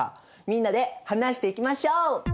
みんなで話していきましょう！